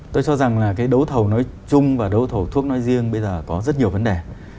tôi cho rằng là cái đấu thầu nói chung và đấu thầu thuốc nói riêng bây giờ có rất nhiều vấn đề